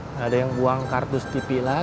nggak ada yang buang kartus tv lagi